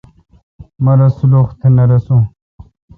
مہ تس سلخ تہ رݭون۔